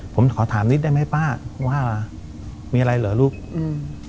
ผมขอถามนิดได้ไหมป้าว่ามีอะไรเหรอลูกอืม